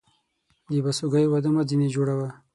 د بسوگى واده مه ځيني جوړوه.